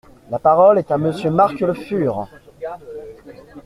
La parole est à Monsieur Marc Le Fur.